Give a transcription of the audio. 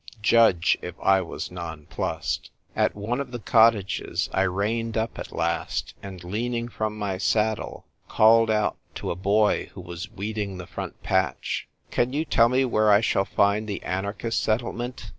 Judge if I was nonplussed. At one of the cottages I reined up at last, and, leaning from my saddle, called out to a boy who was weeding the front patch :" Can you tell me where I shall find the anarchist settlement